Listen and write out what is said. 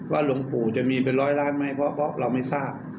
หลวงปู่จะมีเป็นร้อยล้านไหมเพราะเราไม่ทราบ